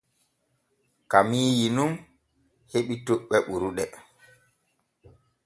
Kamiiyi nun heɓi toɓɓe ɓurɗe.